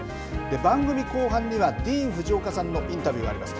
番組後半には、ディーン・フジオカさんのインタビューがあります。